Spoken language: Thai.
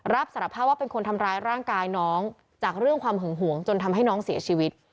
รับสารภาพว่าเป็นคนทำร้ายร่างกายน้องจากเรื่องความหึงหวงจนทำให้น้องเสียชีวิต